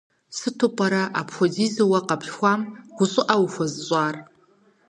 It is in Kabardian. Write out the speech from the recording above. Сыту пӀэрэ апхуэдизу уэ къэплъхуам гу щӀыӀэ ухуэзыщӀар?